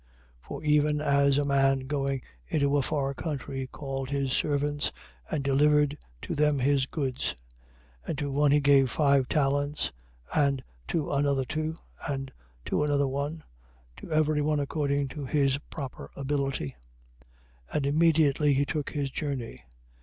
25:14. For even as a man going into a far country called his servants and delivered to them his goods; 25:15. And to one he gave five talents, and to another two, and to another one, to every one according to his proper ability: and immediately he took his journey.